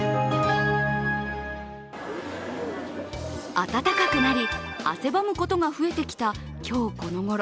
暖かくなり、汗ばむことが増えてきた今日このごろ。